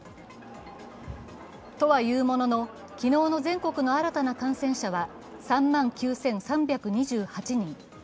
とはいうものの、昨日の全国の新たな感染者は３万９３２８人。